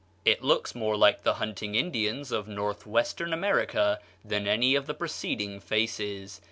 It looks more like the hunting Indians of North western America than any of the preceding faces.